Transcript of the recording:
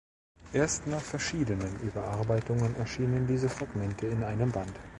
Erst nach verschiedenen Überarbeitungen erschienen diese Fragmente in einem Band.